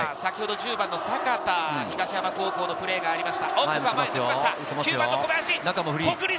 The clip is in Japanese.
１０番の阪田、東山高校のプレーがありました。